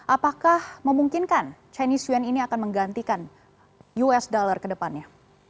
apakah memungkinkan chinese yuan ini akan menggantikan us dollar ke depannya